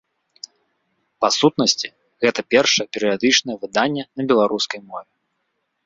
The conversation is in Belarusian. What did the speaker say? Па сутнасці гэта першае перыядычнае выданне на беларускай мове.